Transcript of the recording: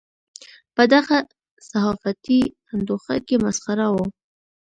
په دغه صحافتي انډوخر کې مسخره وو.